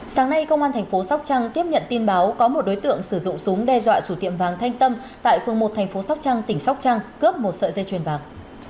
sáng nay công an thành phố sóc trăng tiếp nhận tin báo có một đối tượng sử dụng súng đe dọa chủ tiệm vàng thanh tâm tại phường một thành phố sóc trăng tỉnh sóc trăng cướp một sợi dây chuyền vàng